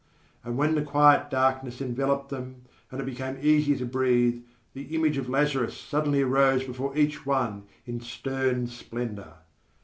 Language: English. And when the quiet darkness enveloped them, and it became easier to breathe, the image of Lazarus suddenly arose before each one in stern splendour.